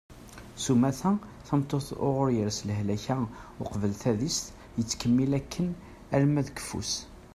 sumata tameṭṭut uɣur yers lehlak-a uqbel tadist yettkemmil akken arma d keffu-s